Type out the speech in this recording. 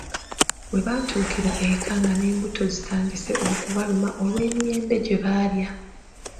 Webaatuukira eka nga n’embuto zitandise okubaluma olw’emiyembe gye baalya.